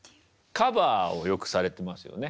カヴァーをよくされてますよね。